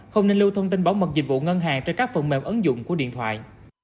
không nên lưu thông tin bảo mật dịch vụ ngân hàng trên các phần mềm ấn dụng của điện thoại